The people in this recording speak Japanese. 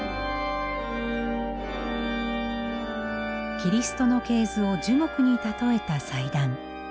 キリストの系図を樹木に例えた祭壇。